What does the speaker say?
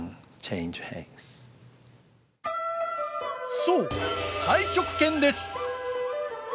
そう太極拳です！